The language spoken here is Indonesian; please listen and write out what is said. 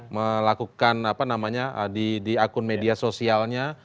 melakukan apa namanya di akun media sosialnya